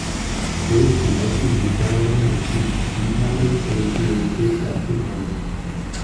So ist zum Beispiel die Förderung des Süd-Süd-Handels eine Priorität der Afrikaner.